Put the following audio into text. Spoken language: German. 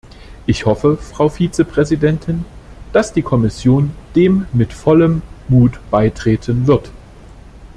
Ich hoffe, Frau Vizepräsidentin, dass die Kommission dem mit vollem Mut beitreten wird!